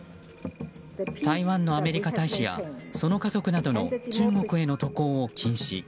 台湾のアメリカ大使やその家族などの中国への渡航を禁止。